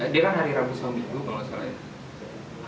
dia kan hari rambut sembibu kalau nggak salah